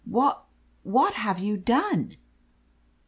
Wha — ^what have you done?"